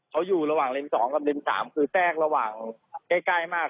เขาอยู่ระหว่างเลนส์๒กับเลนส์๓คือแทรกระหว่างใกล้มาก